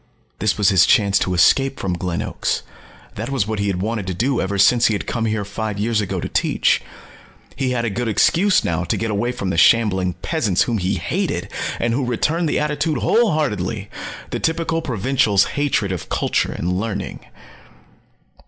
This was his chance to escape from Glen Oaks. That was what he had wanted to do ever since he had come here five years ago to teach. He had a good excuse now to get away from the shambling peasants whom he hated and who returned the attitude wholeheartedly the typical provincial's hatred of culture and learning.